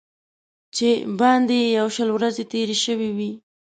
چې باندې یې یو شل ورځې تېرې شوې وې.